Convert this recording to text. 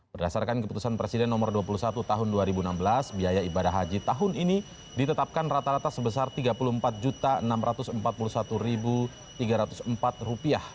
berdasarkan keputusan presiden nomor dua puluh satu tahun dua ribu enam belas biaya ibadah haji tahun ini ditetapkan rata rata sebesar rp tiga puluh empat enam ratus empat puluh satu tiga ratus empat